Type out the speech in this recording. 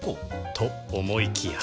と思いきや